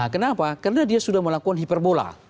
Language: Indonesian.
kenapa karena dia sudah melakukan hiperbola